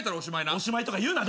おしまいとか言うな。